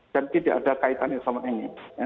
dan tidak ada kaitannya sama ini